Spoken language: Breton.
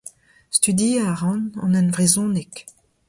Studiañ a ran an henvrezhoneg.